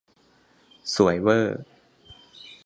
สวยเว่อ